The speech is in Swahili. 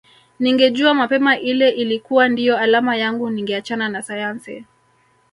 Ningejua mapema ile ilikuwa ndiyo alama yangu ningeachana na sayansi